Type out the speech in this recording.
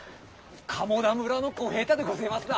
鴨田村の小平太でごぜえますだ。